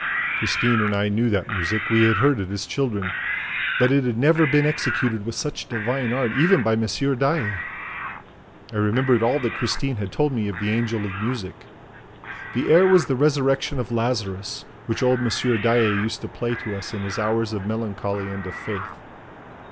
Christine and I knew that music; we had heard it as children. But it had never been executed with such divine art, even by M. Daae. I remembered all that Christine had told me of the Angel of Music. The air was The Resurrection of Lazarus, which old M. Daae used to play to us in his hours of melancholy and of faith.